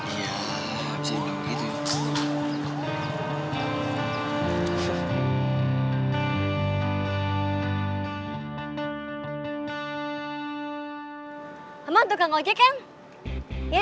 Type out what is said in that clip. iya bisa juga gitu